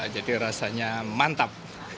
jadi rasanya mantap